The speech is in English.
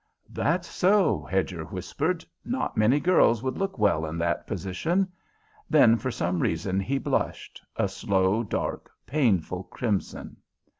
"That's so," Hedger whispered. "Not many girls would look well in that position." Then, for some reason, he blushed a slow, dark, painful crimson.